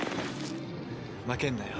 負けんなよ